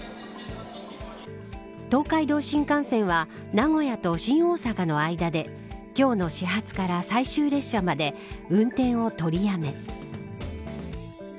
東海道新幹線は名古屋と新大阪の間で今日の始発から最終列車まで運転を取りやめ。